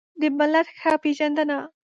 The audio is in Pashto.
د ملت ښه پېژندنه